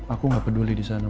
aku nggak peduli di sana